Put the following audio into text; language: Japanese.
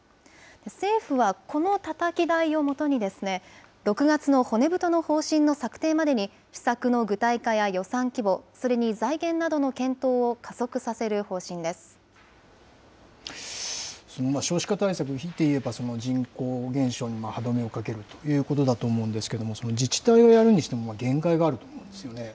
政府は、このたたき台をもとに、６月の骨太の方針の策定までに、施策の具体化や予算規模、それに財源などの検討を加速させる方針その少子化対策、ひいて言えば、人口減少に歯止めをかけるということだと思うんですけれども、自治体がやるにしても、限界があると思うんですよね。